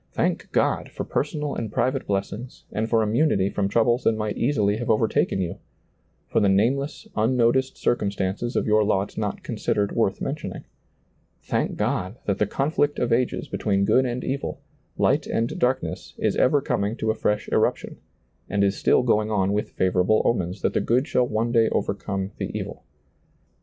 Thank God for personal and private blessings and for immunity from troubles that might easily have overtaken you ; for the nameless, unnoticed circumstances of your lot not considered worth mentioning. Thank God that the conflict of ages between good and evil, light and darkness, is ever coming to a fresh eruption, and is still going on with favorable omens that the good shall one day overcome the evil.